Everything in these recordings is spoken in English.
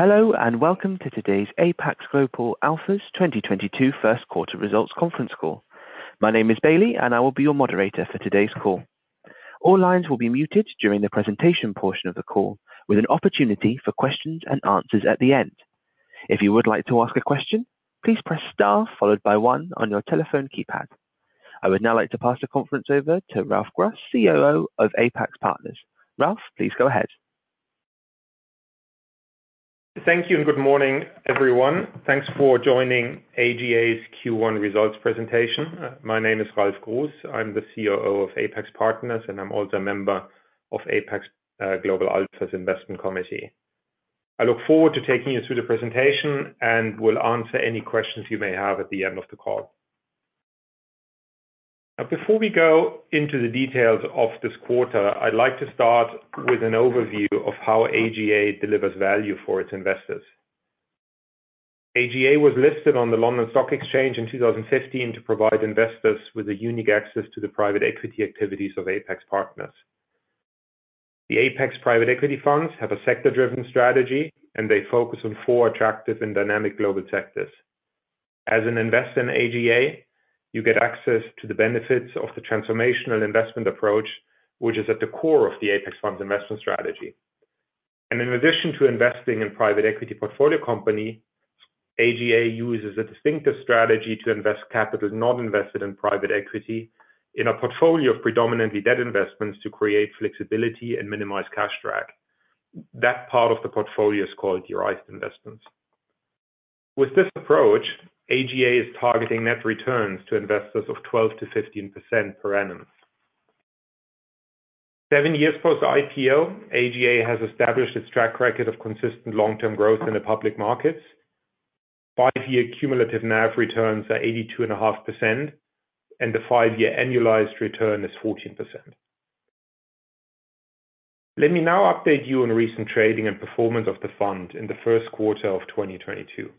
Hello and welcome to today's Apax Global Alpha's 2022 first quarter results conference call. My name is Bailey, and I will be your moderator for today's call. All lines will be muted during the presentation portion of the call, with an opportunity for questions and answers at the end. If you would like to ask a question, please press star followed by one on your telephone keypad. I would now like to pass the conference over to Ralf Gruss, COO of Apax Partners. Ralf, please go ahead. Thank you and good morning, everyone. Thanks for joining AGA's Q1 results presentation. My name is Ralf Gruss. I'm the COO of Apax Partners, and I'm also a member of Apax Global Alpha's Investment Committee. I look forward to taking you through the presentation and will answer any questions you may have at the end of the call. Before we go into the details of this quarter, I'd like to start with an overview of how AGA delivers value for its investors. AGA was listed on the London Stock Exchange in 2015 to provide investors with a unique access to the private equity activities of Apax Partners. The Apax private equity funds have a sector-driven strategy, and they focus on four attractive and dynamic global sectors. As an investor in AGA, you get access to the benefits of the transformational investment approach, which is at the core of the Apax Funds investment strategy. In addition to investing in private equity portfolio company, AGA uses a distinctive strategy to invest capital not invested in private equity in a portfolio of predominantly debt investments to create flexibility and minimize cash drag. That part of the portfolio is called Derived Investments. With this approach, AGA is targeting net returns to investors of 12%-15% per annum. Seven years post IPO, AGA has established its track record of consistent long-term growth in the public markets. Five-year cumulative NAV returns are 82.5%, and the five-year annualized return is 14%. Let me now update you on recent trading and performance of the fund in the first quarter of 2022.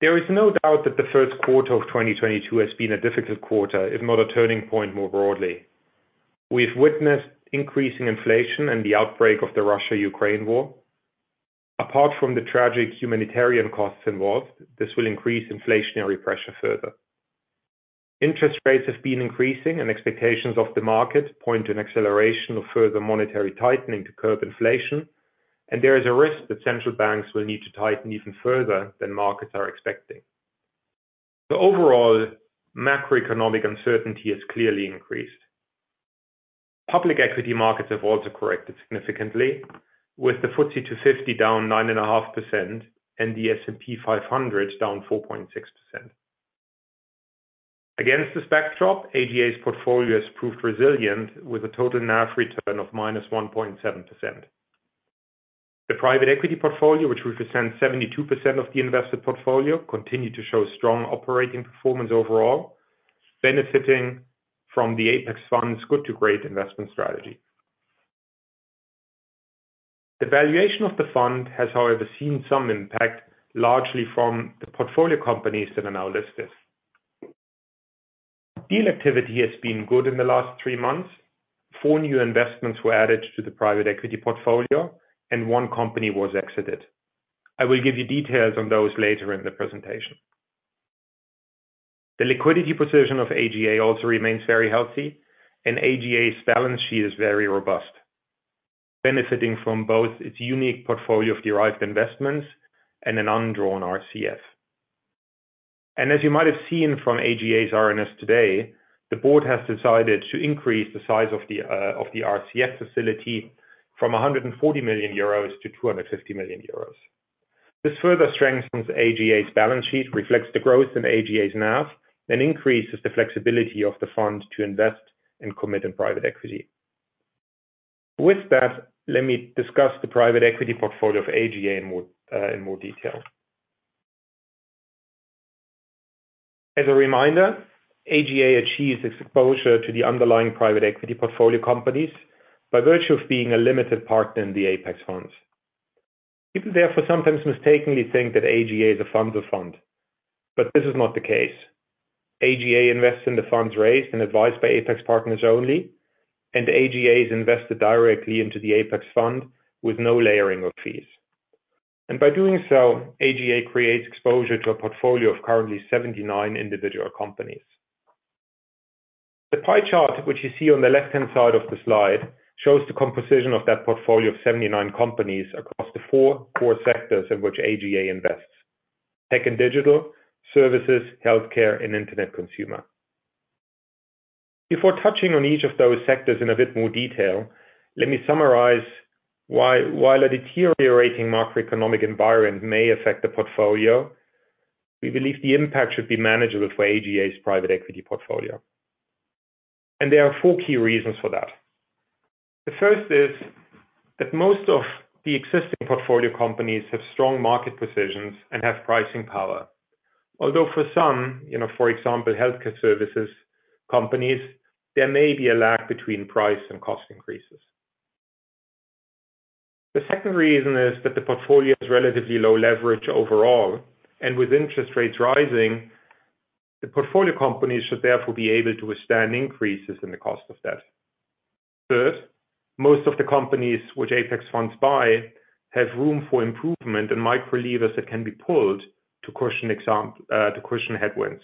There is no doubt that the first quarter of 2022 has been a difficult quarter, if not a turning point more broadly. We've witnessed increasing inflation and the outbreak of the Russia-Ukraine war. Apart from the tragic humanitarian costs involved, this will increase inflationary pressure further. Interest rates have been increasing and expectations of the market point to an acceleration of further monetary tightening to curb inflation. There is a risk that central banks will need to tighten even further than markets are expecting. The overall macroeconomic uncertainty has clearly increased. Public equity markets have also corrected significantly with the FTSE 250 down 9.5% and the S&P 500 down 4.6%. Against this backdrop, AGA's portfolio has proved resilient with a total NAV return of -1.7%. The private equity portfolio, which represents 72% of the invested portfolio, continued to show strong operating performance overall, benefiting from the Apax Funds' good to great investment strategy. The valuation of the fund has, however, seen some impact, largely from the portfolio companies that are now listed. Deal activity has been good in the last three months. Four new investments were added to the private equity portfolio and one company was exited. I will give you details on those later in the presentation. The liquidity position of AGA also remains very healthy, and AGA's balance sheet is very robust, benefiting from both its unique portfolio of derived investments and an undrawn RCF. As you might have seen from AGA's RNS today, the board has decided to increase the size of the RCF facility from 140 million euros to 250 million euros. This further strengthens AGA's balance sheet, reflects the growth in AGA's NAV, and increases the flexibility of the fund to invest and commit in private equity. With that, let me discuss the private equity portfolio of AGA in more detail. As a reminder, AGA achieves its exposure to the underlying private equity portfolio companies by virtue of being a limited partner in the Apax Funds. People therefore sometimes mistakenly think that AGA is a fund of funds, but this is not the case. AGA invests in the funds raised and advised by Apax Partners only, and AGA is invested directly into the Apax Funds with no layering of fees. By doing so, AGA creates exposure to a portfolio of currently 79 individual companies. The pie chart, which you see on the left-hand side of the slide, shows the composition of that portfolio of 79 companies across the four core sectors in which AGA invests, tech and digital, services, healthcare, and internet consumer. Before touching on each of those sectors in a bit more detail, let me summarize why, while a deteriorating macroeconomic environment may affect the portfolio, we believe the impact should be manageable for AGA's private equity portfolio. There are four key reasons for that. The first is that most of the existing portfolio companies have strong market positions and have pricing power. Although for some, you know, for example, healthcare services companies, there may be a lag between price and cost increases. The second reason is that the portfolio is relatively low leverage overall, and with interest rates rising. The portfolio companies should therefore be able to withstand increases in the cost of debt. First, most of the companies which Apax Funds buy have room for improvement and micro levers that can be pulled to cushion headwinds.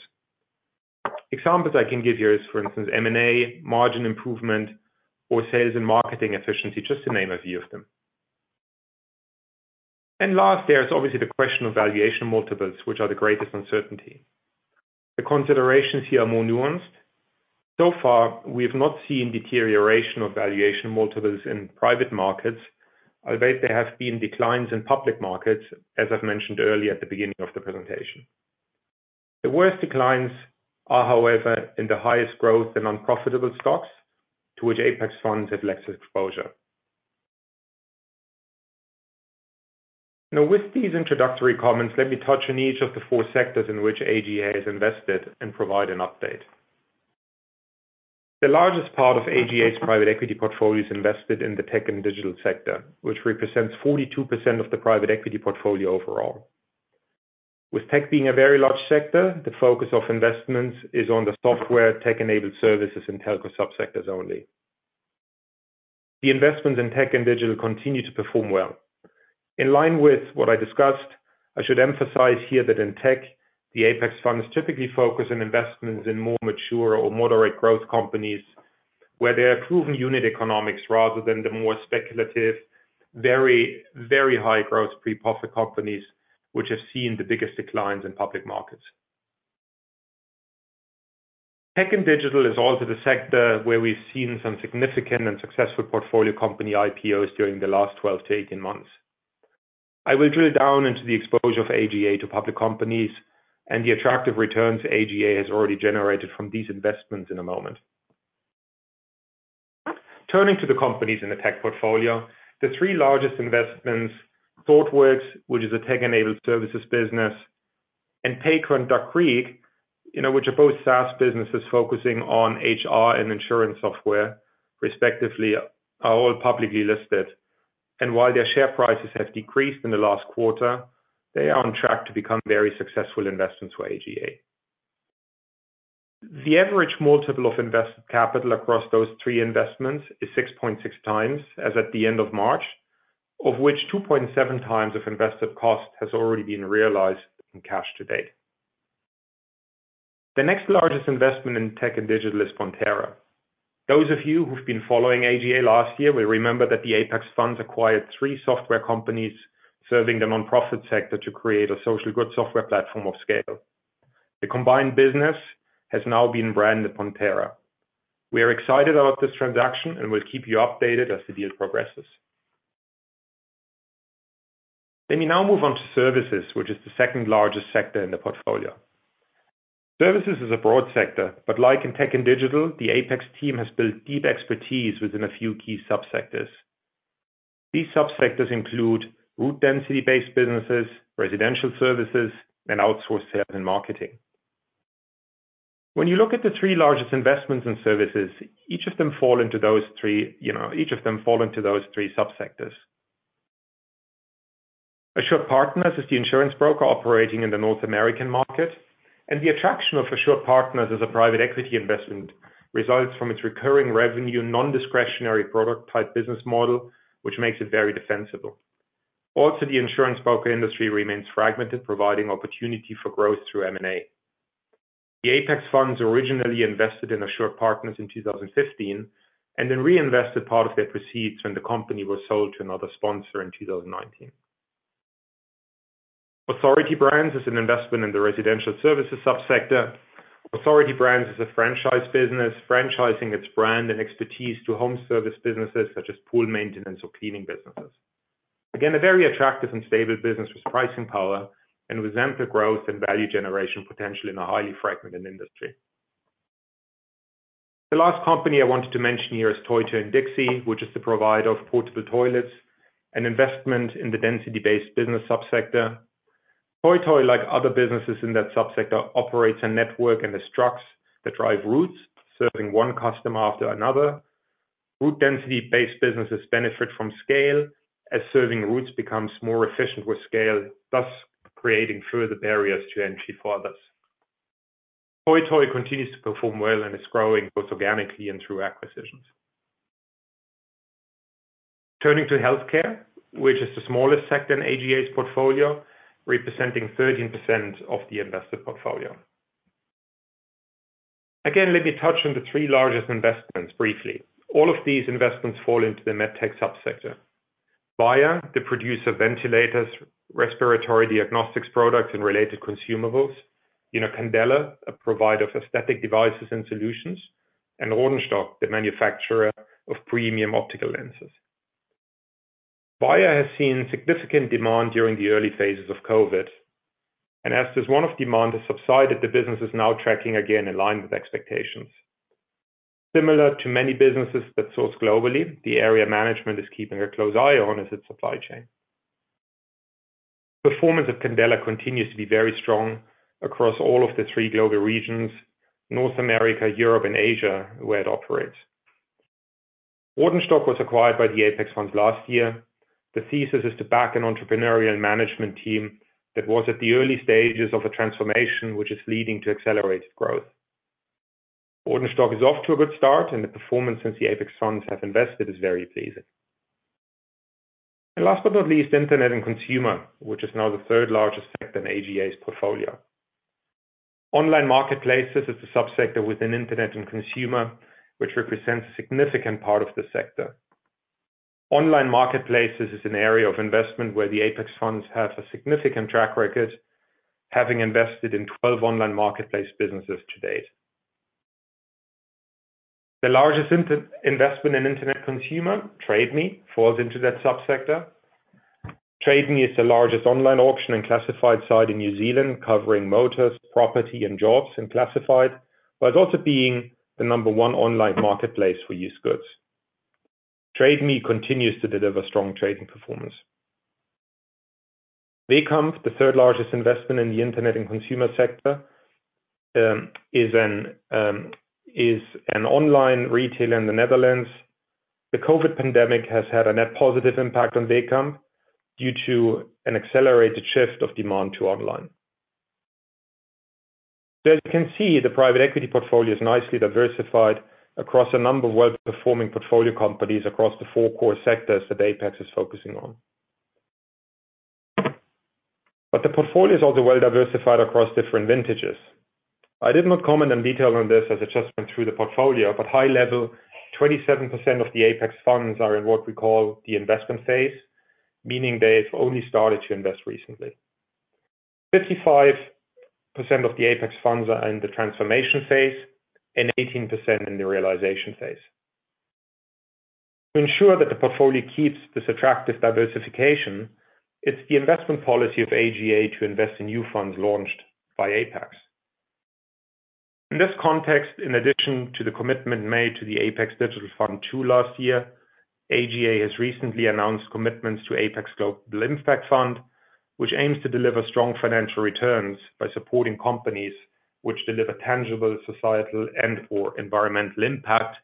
Examples I can give you is, for instance, M&A, margin improvement, or sales and marketing efficiency, just to name a few of them. Last, there's obviously the question of valuation multiples, which are the greatest uncertainty. The considerations here are more nuanced. So far, we have not seen deterioration of valuation multiples in private markets, although there have been declines in public markets, as I've mentioned earlier at the beginning of the presentation. The worst declines are, however, in the highest growth and unprofitable stocks to which Apax Funds had less exposure. Now, with these introductory comments, let me touch on each of the four sectors in which AGA is invested and provide an update. The largest part of AGA's private equity portfolio is invested in the tech and digital sector, which represents 42% of the private equity portfolio overall. With tech being a very large sector, the focus of investments is on the software, tech-enabled services, and telco subsectors only. The investments in tech and digital continue to perform well. In line with what I discussed, I should emphasize here that in tech, the Apax Funds typically focus on investments in more mature or moderate growth companies where they have proven unit economics rather than the more speculative, very, very high-growth pre-profit companies, which have seen the biggest declines in public markets. Tech and digital is also the sector where we've seen some significant and successful portfolio company IPOs during the last 12-18 months. I will drill down into the exposure of AGA to public companies and the attractive returns AGA has already generated from these investments in a moment. Turning to the companies in the tech portfolio, the three largest investments, Thoughtworks, which is a tech-enabled services business, and Paycor and Duck Creek, you know, which are both SaaS businesses focusing on HR and insurance software, respectively, are all publicly listed. While their share prices have decreased in the last quarter, they are on track to become very successful investments for AGA. The average multiple of invested capital across those three investments is 6.6x as at the end of March, of which 2.7x of invested cost has already been realized in cash to date. The next largest investment in tech and digital is Pontera. Those of you who've been following AGA last year will remember that the Apax Funds acquired three software companies serving the nonprofit sector to create a social good software platform of scale. The combined business has now been branded Pontera. We are excited about this transaction and we'll keep you updated as the deal progresses. Let me now move on to services, which is the second-largest sector in the portfolio. Services is a broad sector, but like in tech and digital, the Apax team has built deep expertise within a few key subsectors. These subsectors include route density-based businesses, residential services, and outsourced sales and marketing. When you look at the three largest investments in services, each of them fall into those three, you know, subsectors. AssuredPartners is the insurance broker operating in the North American market, and the attraction of AssuredPartners as a private equity investment results from its recurring revenue, non-discretionary product type business model, which makes it very defensible. Also, the insurance broker industry remains fragmented, providing opportunity for growth through M&A. The Apax Funds originally invested in AssuredPartners in 2015, and then reinvested part of their proceeds when the company was sold to another sponsor in 2019. Authority Brands is an investment in the residential services subsector. Authority Brands is a franchise business, franchising its brand and expertise to home service businesses such as pool maintenance or cleaning businesses. Again, a very attractive and stable business with pricing power and with ample growth and value generation potential in a highly fragmented industry. The last company I wanted to mention here is TOI TOI & DIXI, which is the provider of portable toilets and an investment in the density-based business subsector. TOI TOI & DIXI, like other businesses in that subsector, operates a network and has trucks that drive routes, serving one customer after another. Route density-based businesses benefit from scale as serving routes becomes more efficient with scale, thus creating further barriers to entry for others. TOI TOI & DIXI continues to perform well and is growing both organically and through acquisitions. Turning to healthcare, which is the smallest sector in AGA's portfolio, representing 13% of the invested portfolio. Again, let me touch on the three largest investments briefly. All of these investments fall into the med tech subsector. Vyaire, the producer of ventilators, respiratory diagnostics products, and related consumables. You know, Candela, a provider of aesthetic devices and solutions, and Rodenstock, the manufacturer of premium optical lenses. Vyaire has seen significant demand during the early phases of COVID. As this one-off demand has subsided, the business is now tracking again in line with expectations. Similar to many businesses that source globally, the area management is keeping a close eye on is its supply chain. Performance of Candela continues to be very strong across all of the three global regions, North America, Europe, and Asia, where it operates. Rodenstock was acquired by the Apax Funds last year. The thesis is to back an entrepreneurial management team that was at the early stages of a transformation which is leading to accelerated growth. Rodenstock is off to a good start, and the performance since the Apax Funds have invested is very pleasing. Last but not least, Internet and Consumer, which is now the third largest sector in AGA's portfolio. Online marketplaces is a subsector within internet and consumer, which represents a significant part of the sector. Online marketplaces is an area of investment where the Apax Funds have a significant track record, having invested in 12 online marketplace businesses to date. The largest investment in Internet & Consumer, Trade Me, falls into that subsector. Trade Me is the largest online auction and classified site in New Zealand, covering motors, property and jobs in classified, but also being the number one online marketplace for used goods. Trade Me continues to deliver strong trading performance. Wehkamp, the third-largest investment in the internet and consumer sector, is an online retailer in the Netherlands. The COVID pandemic has had a net positive impact on Wehkamp due to an accelerated shift of demand to online. As you can see, the private equity portfolio is nicely diversified across a number of well-performing portfolio companies across the four core sectors that Apax is focusing on. The portfolio is also well diversified across different vintages. I did not comment in detail on this as I just went through the portfolio, but high level, 27% of the Apax Funds are in what we call the investment phase, meaning they've only started to invest recently. 55% of the Apax Funds are in the transformation phase and 18% in the realization phase. To ensure that the portfolio keeps this attractive diversification, it's the investment policy of AGA to invest in new funds launched by Apax. In this context, in addition to the commitment made to the Apax Digital Fund II last year, AGA has recently announced commitments to Apax Global Impact Fund, which aims to deliver strong financial returns by supporting companies which deliver tangible societal and/or environmental impact.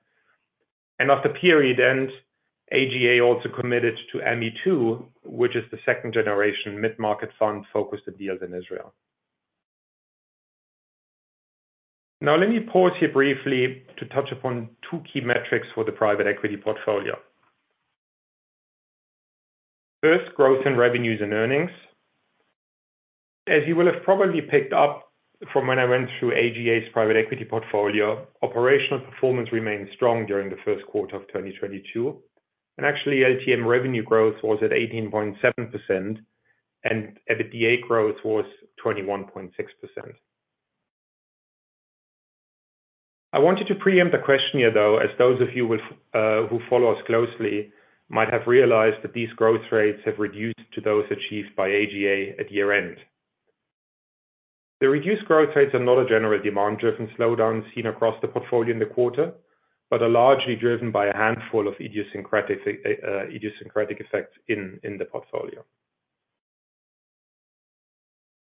At the period end, AGA also committed to AMI II, which is the second generation mid-market fund focused on deals in Israel. Now, let me pause here briefly to touch upon two key metrics for the private equity portfolio. First, growth in revenues and earnings. As you will have probably picked up from when I went through AGA's private equity portfolio, operational performance remained strong during the first quarter of 2022, and actually LTM revenue growth was at 18.7%, and EBITDA growth was 21.6%. I wanted to preempt a question here, though, as those of you who follow us closely might have realized that these growth rates have reduced to those achieved by AGA at year-end. The reduced growth rates are not a general demand-driven slowdown seen across the portfolio in the quarter, but are largely driven by a handful of idiosyncratic effects in the portfolio.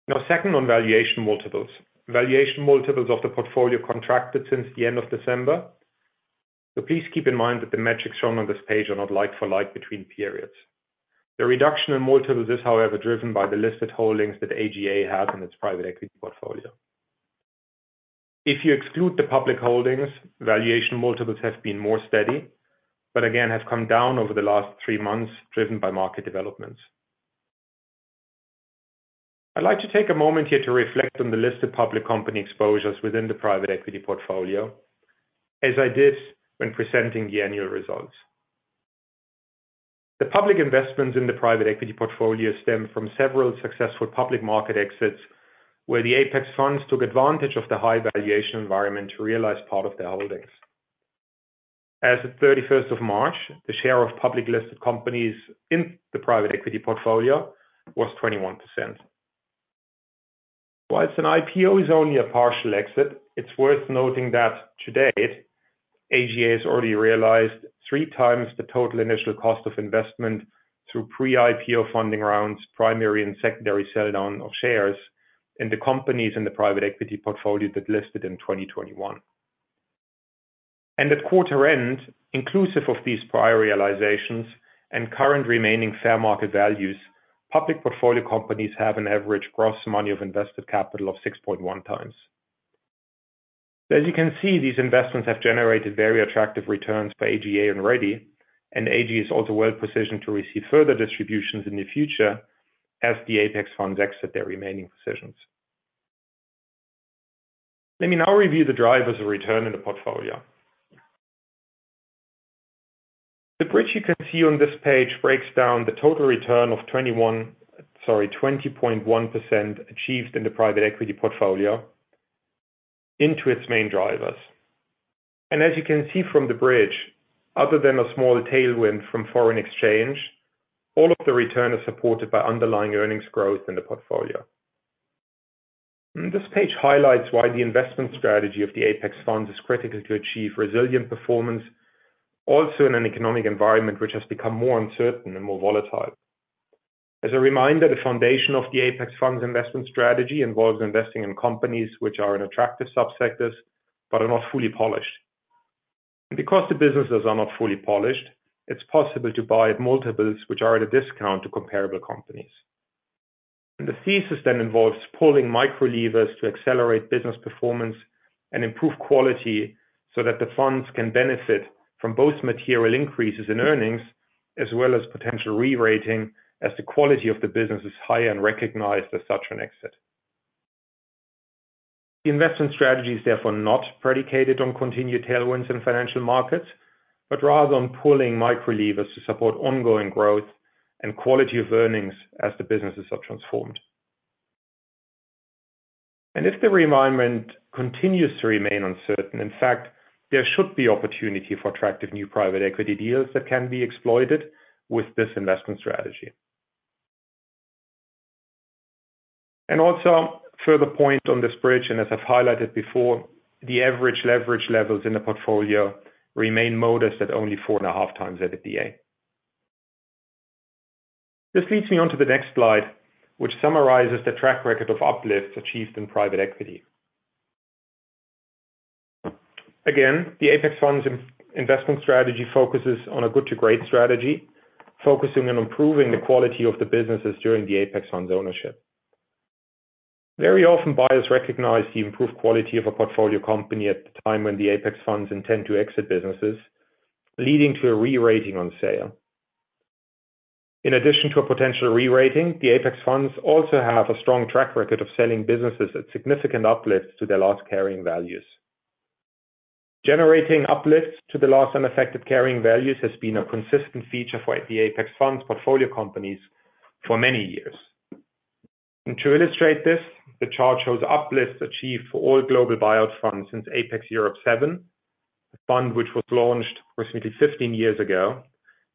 Now, second on valuation multiples. Valuation multiples of the portfolio contracted since the end of December, so please keep in mind that the metrics shown on this page are not like for like between periods. The reduction in multiples is, however, driven by the listed holdings that AGA has in its private equity portfolio. If you exclude the public holdings, valuation multiples have been more steady, but again have come down over the last three months, driven by market developments. I'd like to take a moment here to reflect on the list of public company exposures within the private equity portfolio, as I did when presenting the annual results. The public investments in the private equity portfolio stem from several successful public market exits, where the Apax Funds took advantage of the high valuation environment to realize part of their holdings. As of 31st of March, the share of public listed companies in the private equity portfolio was 21%. While an IPO is only a partial exit, it's worth noting that to date, AGA has already realized 3x the total initial cost of investment through pre-IPO funding rounds, primary and secondary sell down of shares, and the companies in the private equity portfolio that listed in 2021. At quarter-end, inclusive of these prior realizations and current remaining fair market values, public portfolio companies have an average gross multiple of invested capital of 6.1x. As you can see, these investments have generated very attractive returns for AGA already, and AGA is also well positioned to receive further distributions in the future as the Apax Funds exit their remaining positions. Let me now review the drivers of return in the portfolio. The bridge you can see on this page breaks down the total return of 21... Sorry, 20.1% achieved in the private equity portfolio and to its main drivers. As you can see from the bridge, other than a small tailwind from foreign exchange, all of the return is supported by underlying earnings growth in the portfolio. This page highlights why the investment strategy of the Apax Funds is critical to achieve resilient performance, also in an economic environment which has become more uncertain and more volatile. As a reminder, the foundation of the Apax Funds investment strategy involves investing in companies which are in attractive subsectors but are not fully polished. Because the businesses are not fully polished, it's possible to buy at multiples which are at a discount to comparable companies. The thesis then involves pulling micro levers to accelerate business performance and improve quality so that the funds can benefit from both material increases in earnings, as well as potential re-rating as the quality of the business is high and recognized as such an exit. The investment strategy is therefore not predicated on continued tailwinds in financial markets, but rather on pulling micro levers to support ongoing growth and quality of earnings as the businesses are transformed. If the environment continues to remain uncertain, in fact, there should be opportunity for attractive new private equity deals that can be exploited with this investment strategy. Also further point on this bridge, and as I've highlighted before, the average leverage levels in the portfolio remain modest at only 4.5x EBITDA. This leads me onto the next slide, which summarizes the track record of uplifts achieved in private equity. Again, the Apax Funds' investment strategy focuses on a good to great strategy, focusing on improving the quality of the businesses during the Apax Funds ownership. Very often, buyers recognize the improved quality of a portfolio company at the time when the Apax Funds intend to exit businesses, leading to a re-rating on sale. In addition to a potential re-rating, the Apax Funds also have a strong track record of selling businesses at significant uplifts to their last carrying values. Generating uplifts to the last unaffected carrying values has been a consistent feature for the Apax Funds portfolio companies for many years. To illustrate this, the chart shows uplifts achieved for all global buyouts funds since Apax Europe VII, a fund which was launched approximately 15 years ago,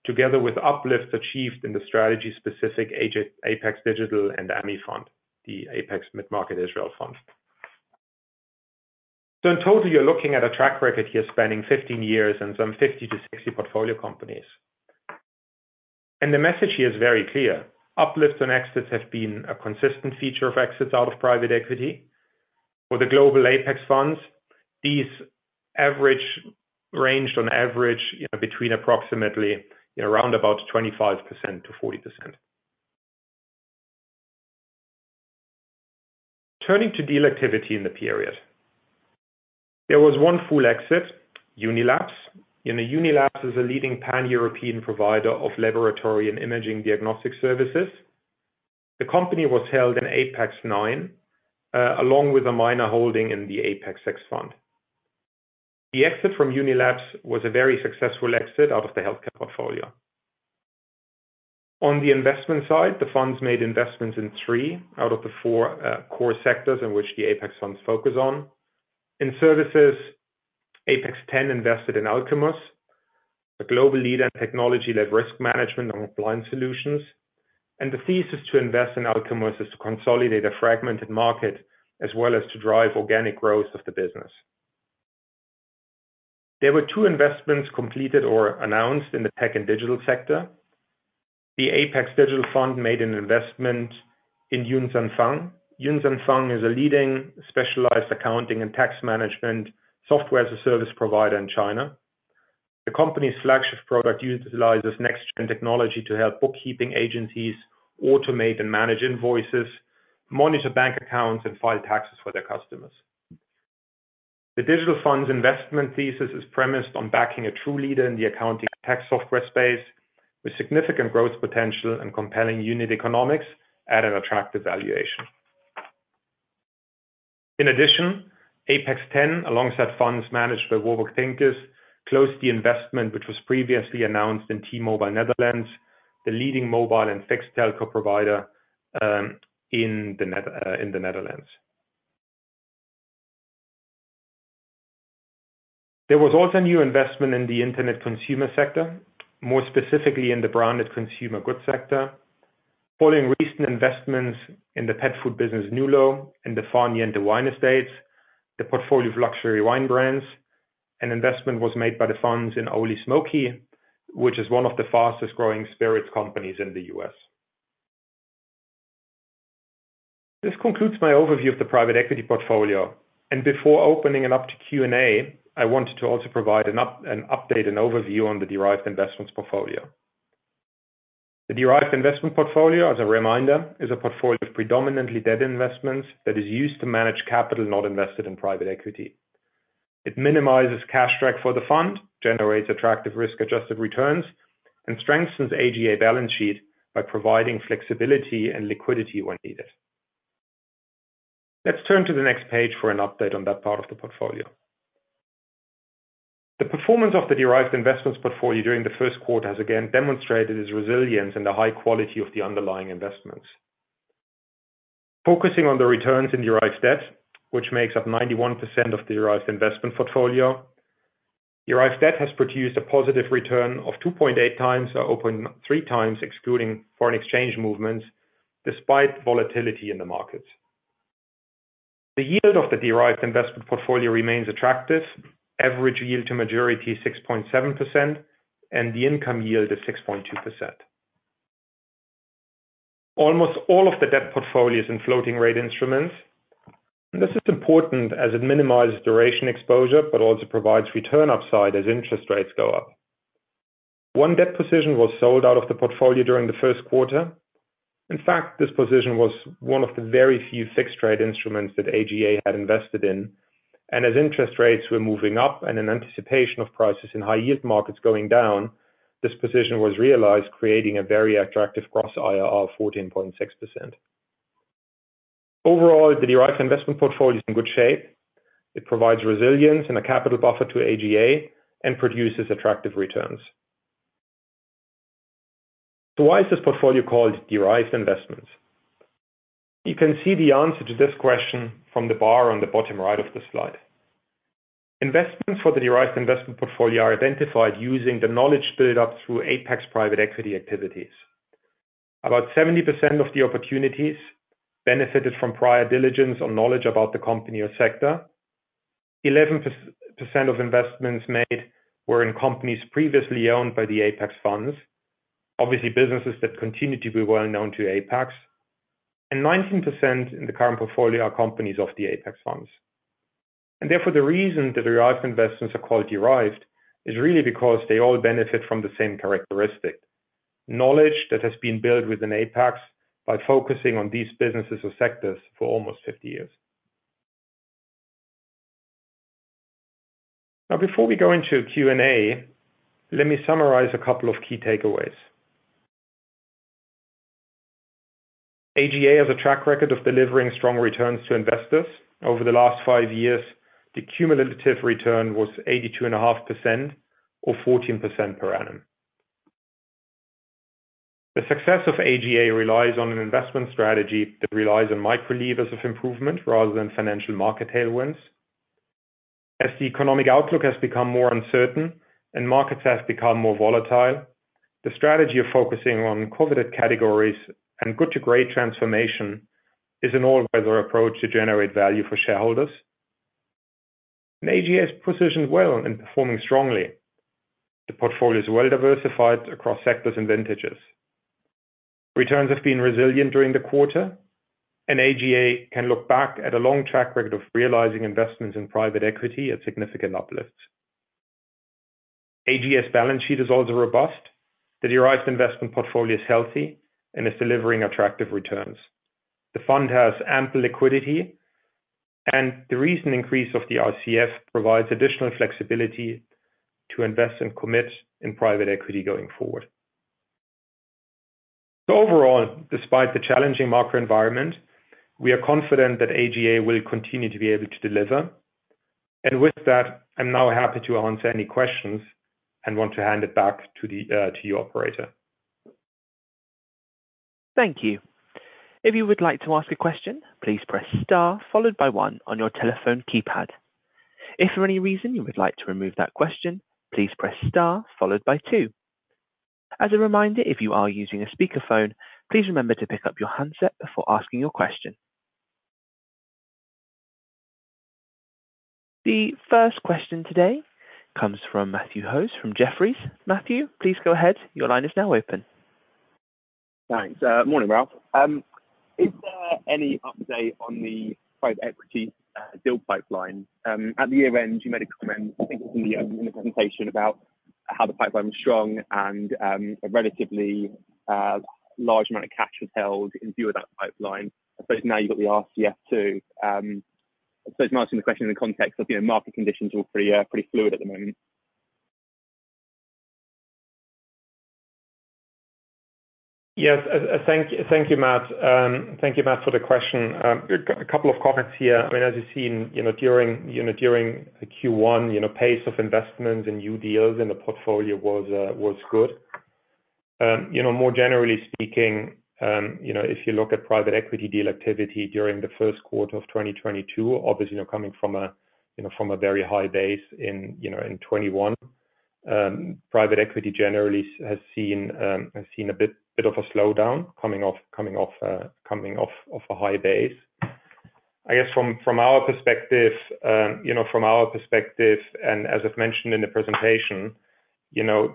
together with uplifts achieved in the strategy specific AGA, Apax Digital and AMI Fund, the Apax Mid-Market Israel Fund. In total, you're looking at a track record here spanning 15 years and some 50-60 portfolio companies. The message here is very clear. Uplifts and exits have been a consistent feature of exits out of private equity. For the Global Apax Funds, these ranged on average between approximately around about 25%-40%. Turning to deal activity in the period. There was one full exit, Unilabs. Unilabs is a leading Pan-European provider of laboratory and imaging diagnostic services. The company was held in Apax IX, along with a minor holding in the Apax X Fund. The exit from Unilabs was a very successful exit out of the healthcare portfolio. On the investment side, the funds made investments in three out of the four core sectors in which the Apax Funds focus on. In services, Apax X invested in Alcumus, a global leader in technology-led risk management and compliance solutions. The thesis to invest in Alcumus is to consolidate a fragmented market as well as to drive organic growth of the business. There were two investments completed or announced in the tech and digital sector. The Apax Digital Fund made an investment in YunZhangFang. YunZhangFang is a leading specialized accounting and tax management software as a service provider in China. The company's flagship product utilizes next-gen technology to help bookkeeping agencies automate and manage invoices, monitor bank accounts, and file taxes for their customers. The digital funds investment thesis is premised on backing a true leader in the accounting tax software space with significant growth potential and compelling unit economics at an attractive valuation. In addition, Apax X, alongside funds managed by Warburg Pincus, closed the investment, which was previously announced in T-Mobile Netherlands, the leading mobile and fixed telco provider, in the Netherlands. There was also a new investment in the internet consumer sector, more specifically in the branded consumer goods sector. Following recent investments in the pet food business, Nulo, in the Farnese the Wine Estates, the portfolio of luxury wine brands, an investment was made by the funds in Ole Smoky, which is one of the fastest-growing spirits companies in the US. This concludes my overview of the private equity portfolio. Before opening it up to Q&A, I wanted to also provide an update and overview on the Derived Investments portfolio. The Derived Investments portfolio, as a reminder, is a portfolio of predominantly debt investments that is used to manage capital not invested in private equity. It minimizes cash drag for the fund, generates attractive risk-adjusted returns, and strengthens AGA balance sheet by providing flexibility and liquidity when needed. Let's turn to the next page for an update on that part of the portfolio. The performance of the Derived Investments portfolio during the first quarter has again demonstrated its resilience and the high quality of the underlying investments. Focusing on the returns in Derived Debt, which makes up 91% of the Derived Investment portfolio, Derived Debt has produced a positive return of 2.8x or 3x excluding foreign exchange movements despite volatility in the markets. The yield of the Derived Investment portfolio remains attractive. Average yield to maturity 6.7%, and the income yield is 6.2%. Almost all of the debt portfolio is in floating rate instruments, and this is important as it minimizes duration exposure, but also provides return upside as interest rates go up. One debt position was sold out of the portfolio during the first quarter. In fact, this position was one of the very few fixed rate instruments that AGA had invested in. As interest rates were moving up and in anticipation of prices in high yield markets going down, this position was realized, creating a very attractive gross IRR of 14.6%. Overall, the derived investment portfolio is in good shape. It provides resilience and a capital buffer to AGA and produces attractive returns. Why is this portfolio called derived investments? You can see the answer to this question from the bar on the bottom right of the slide. Investments for the derived investment portfolio are identified using the knowledge built up through Apax private equity activities. About 70% of the opportunities benefited from prior diligence or knowledge about the company or sector. 11% of investments made were in companies previously owned by the Apax Funds. Obviously, businesses that continue to be well known to Apax. 19% in the current portfolio are companies of the Apax Funds. Therefore, the reason the Derived Investments are called derived is really because they all benefit from the same characteristic: knowledge that has been built within Apax by focusing on these businesses or sectors for almost 50 years. Now, before we go into Q&A, let me summarize a couple of key takeaways. AGA has a track record of delivering strong returns to investors. Over the last five years, the cumulative return was 82.5% or 14% per annum. The success of AGA relies on an investment strategy that relies on micro levers of improvement rather than financial market tailwinds. As the economic outlook has become more uncertain and markets have become more volatile, the strategy of focusing on coveted categories and good to great transformation is an all-weather approach to generate value for shareholders. AGA is positioned well in performing strongly. The portfolio is well diversified across sectors and vintages. Returns have been resilient during the quarter, and AGA can look back at a long track record of realizing investments in private equity at significant uplifts. AGA's balance sheet is also robust. The Derived Investments portfolio is healthy and is delivering attractive returns. The fund has ample liquidity and the recent increase of the RCF provides additional flexibility to invest and commit in private equity going forward. Overall, despite the challenging market environment, we are confident that AGA will continue to be able to deliver. With that, I'm now happy to answer any questions and want to hand it back to you, operator. Thank you. If you would like to ask a question, please press star followed by one on your telephone keypad. If for any reason you would like to remove that question, please press star followed by two. As a reminder, if you are using a speaker phone, please remember to pick up your handset before asking your question. The first question today comes from Matthew Hose from Jefferies. Matthew, please go ahead. Your line is now open. Thanks. Morning, Ralf. Is there any update on the private equity deal pipeline? At the year-end, you made a comment, I think it was in the presentation about how the pipeline was strong and a relatively large amount of cash was held in view of that pipeline. I suppose now you've got the RCF too. I suppose I'm asking the question in the context of, you know, market conditions are pretty pretty fluid at the moment. Yes. Thank you, Matt. Thank you, Matt, for the question. A couple of comments here. I mean, as you've seen, you know, during, you know, during the Q1, you know, pace of investments and new deals in the portfolio was good. You know, more generally speaking, you know, if you look at private equity deal activity during the first quarter of 2022, obviously, you know, coming from a, you know, from a very high base in, you know, in 2021, private equity generally has seen a bit of a slowdown coming off a high base. I guess from our perspective, you know, from our perspective and as I've mentioned in the presentation, you know,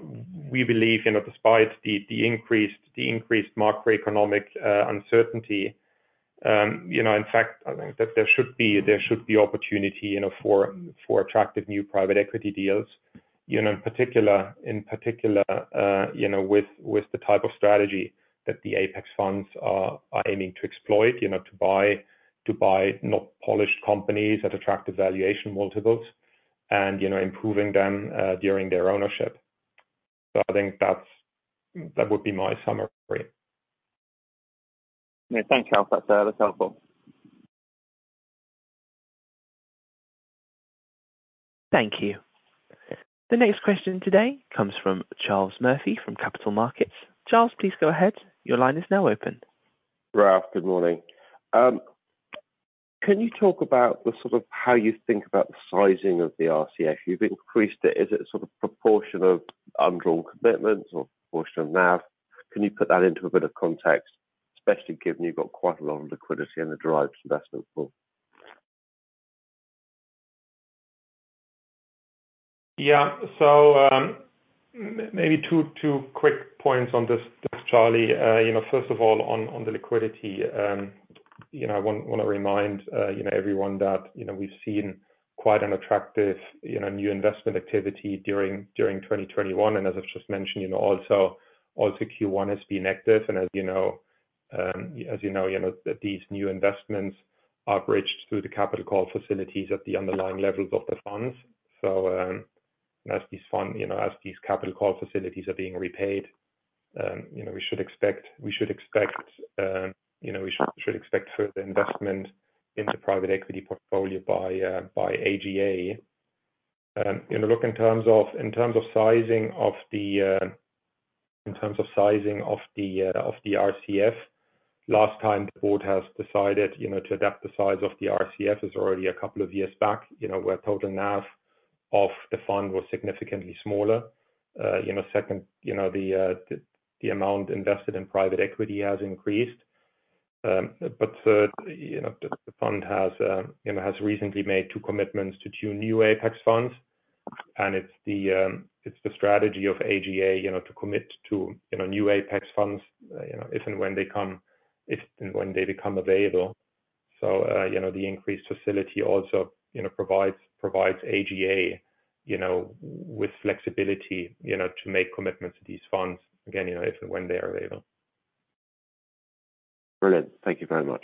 we believe, you know, despite the increased macroeconomic uncertainty, you know, in fact, I think that there should be opportunity, you know, for attractive new private equity deals, you know, in particular, you know, with the type of strategy that the Apax Funds are aiming to exploit, you know, to buy not polished companies at attractive valuation multiples and, you know, improving them during their ownership. I think that would be my summary. Yeah. Thanks, Ralf. That's helpful. Thank you. The next question today comes from Charles Murphy from Singer Capital Markets. Charles, please go ahead. Your line is now open. Ralf, good morning. Can you talk about the sort of how you think about the sizing of the RCF? You've increased it. Is it sort of proportion of undrawn commitments or proportion of NAV? Can you put that into a bit of context, especially given you've got quite a lot of liquidity in the Derived Investments pool? Maybe two quick points on this, Charlie. You know, first of all, on the liquidity, you know, I want to remind you know, everyone that, you know, we've seen quite an attractive, you know, new investment activity during 2021. As I've just mentioned, you know, also Q1 has been active. As you know, you know, these new investments are bridged through the capital call facilities at the underlying levels of the funds. As these capital call facilities are being repaid, you know, we should expect further investment into private equity portfolio by AGA. Look, in terms of sizing of the RCF, last time the board has decided to adapt the size of the RCF is already a couple of years back. You know, where total NAV of the fund was significantly smaller. Second, you know, the amount invested in private equity has increased. You know, the fund has recently made two commitments to two new Apax Funds, and it's the strategy of AGA, you know, to commit to new Apax Funds, you know, if and when they come, if and when they become available. You know, the increased facility also, you know, provides AGA, you know, with flexibility, you know, to make commitments to these funds, again, you know, if and when they are available. Brilliant. Thank you very much.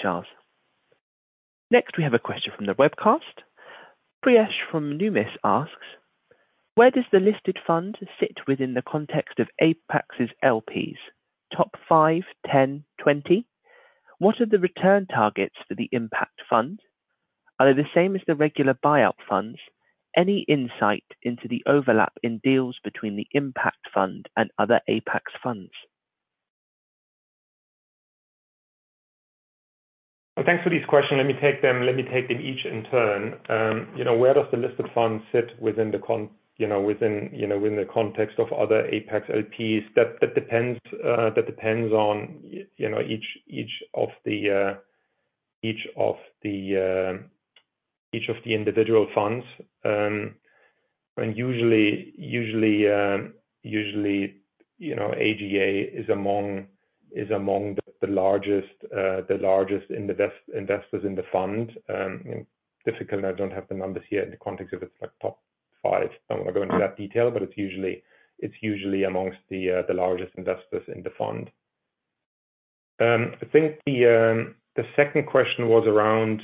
Charles. Next, we have a question from the webcast. Priyesh from Numis asks, "Where does the listed fund sit within the context of Apax's LPs? Top five, ten, 20? What are the return targets for the impact fund? Are they the same as the regular buyout funds? Any insight into the overlap in deals between the impact fund and other Apax Funds? Thanks for these questions. Let me take them each in turn. You know, where does the listed fund sit within the context of other Apax LPs? That depends on each of the individual funds. Usually, you know, AGA is among the largest investors in the fund. Definitely, I don't have the numbers here in the context of it's like top five. I don't wanna go into that detail, but it's usually among the largest investors in the fund. I think the second question was around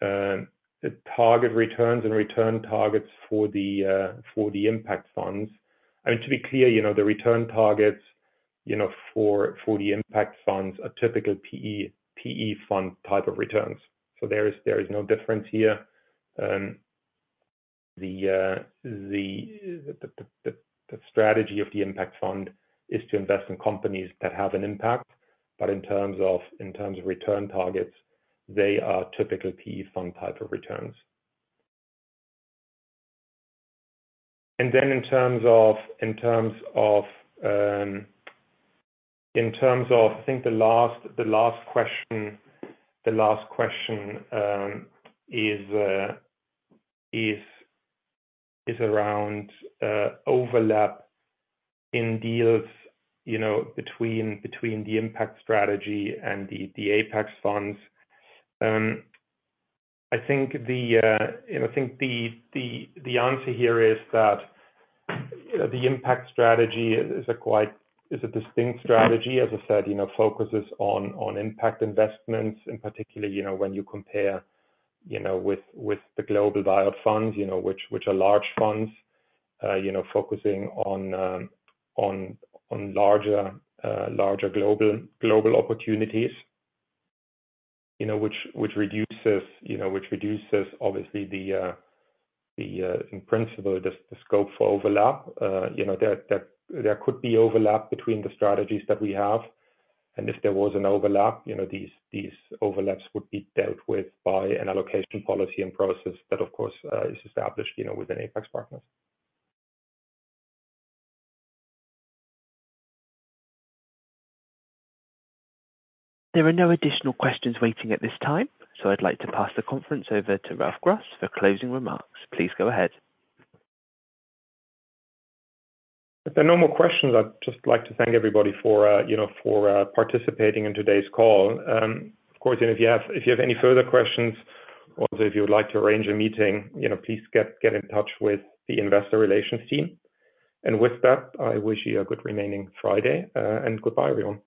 the target returns and return targets for the impact funds. I mean, to be clear, you know, the return targets, you know, for the impact funds are typical PE fund type of returns. There is no difference here. The strategy of the impact fund is to invest in companies that have an impact. In terms of return targets, they are typical PE fund type of returns. In terms of, I think the last question is around overlap in deals, you know, between the impact strategy and the Apax Funds. I think the answer here is that, you know, the impact strategy is a quite distinct strategy, as I said, you know, focuses on impact investments, and particularly, you know, when you compare, you know, with the global buyout funds, you know, which are large funds, you know, focusing on larger global opportunities, you know, which reduces obviously, in principle, the scope for overlap. You know, there could be overlap between the strategies that we have, and if there was an overlap, you know, these overlaps would be dealt with by an allocation policy and process that, of course, is established, you know, within Apax Partners. There are no additional questions waiting at this time, so I'd like to pass the conference over to Ralf Gruss for closing remarks. Please go ahead. If there are no more questions, I'd just like to thank everybody for participating in today's call. Of course, if you have any further questions or if you would like to arrange a meeting, please get in touch with the investor relations team. With that, I wish you a good remaining Friday, and goodbye everyone.